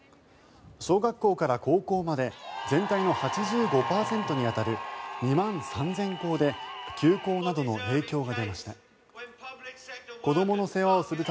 小学校から高校まで全体の８５％に当たる２万３０００校で休校などの影響が出ました。